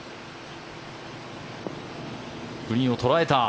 グリーンを捉えた。